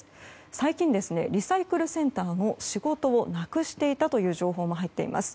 最近、リサイクルセンターの仕事をなくしていたという情報も入っています。